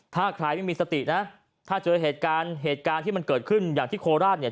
ถ้าใครไม่มีสตินะถ้าเจอเหตุการณ์เหตุการณ์ที่มันเกิดขึ้นอย่างที่โคราชเนี่ย